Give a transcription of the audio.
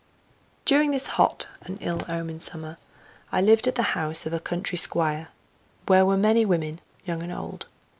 During this hot and ill omened summer I lived at the house of a country squire, where were many women, young and old.